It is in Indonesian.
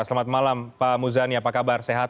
selamat malam pak muzani apa kabar sehat